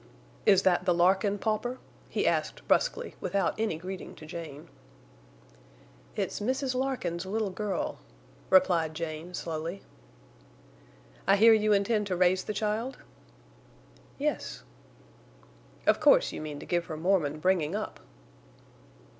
"Is that the Larkin pauper?" he asked, bruskly, without any greeting to Jane. "It's Mrs. Larkin's little girl," replied Jane, slowly. "I hear you intend to raise the child?" "Yes." "Of course you mean to give her Mormon bringing up?"